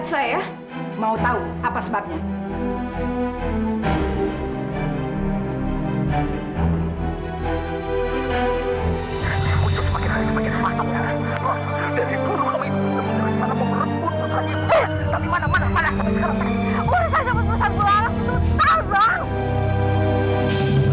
saya berlaras untuk kamu